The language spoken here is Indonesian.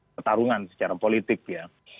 pertarungan secara politik ya